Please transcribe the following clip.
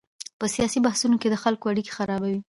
په سیاسي بحثونو کې د خلکو اړیکې خرابوي.